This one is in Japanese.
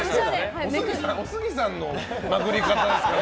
おすぎさんのパクり方ですから。